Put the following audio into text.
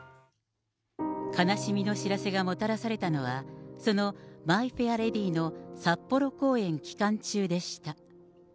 悲しみの知らせがもたらされたのは、そのマイ・フェア・レディの札幌公演期間中でした。